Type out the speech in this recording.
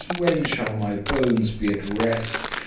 when shall my bones be at rest?